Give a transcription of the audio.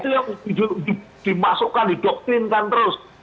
itu yang dimasukkan didoktrinkan terus